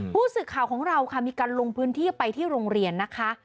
ผู้สื่อข่าวของเราค่ะมีการลงพื้นที่ไปที่โรงเรียนนะคะ